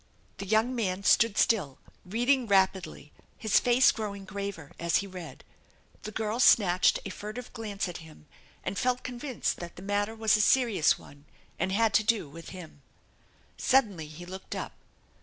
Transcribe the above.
The young man stood still, reading rapidly, his face grow ing graver as he read. The girl snatched a furtive glance at him, and felt convinced that the matter was a serious one and fead to do with him, Suddenly he looked up.